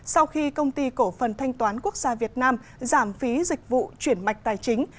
sau khi công ty cổ phần thanh toán quốc gia việt nam giảm phí dịch vụ chuyển mạch tài chính